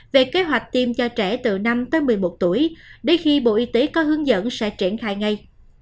về kế hoạch tiêm cho trẻ từ năm tới một mươi một tuổi đến khi bộ y tế có hướng dẫn sẽ triển khai ngay